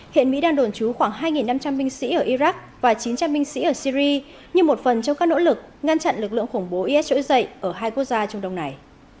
hiện mỹ đang đồn trú khoảng hai năm trăm linh binh sĩ ở iraq và chín trăm linh binh sĩ ở syri như một phần trong các nỗ lực ngăn chặn lực lượng khủng bố is trỗi dậy ở hai quốc gia trung đông này